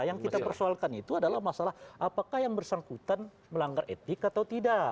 yang kita persoalkan itu adalah masalah apakah yang bersangkutan melanggar etik atau tidak